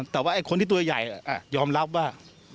แต่ว่าไอ้คนที่ตัวใหญ่ยอมรับว่า